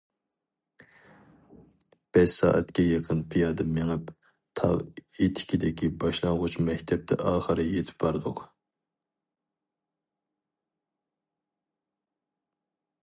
بەش سائەتكە يېقىن پىيادە مېڭىپ، تاغ ئېتىكىدىكى باشلانغۇچ مەكتەپكە ئاخىرى يېتىپ باردۇق.